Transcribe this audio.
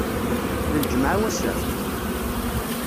D lǧemɛa wass-a?